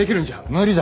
無理だ。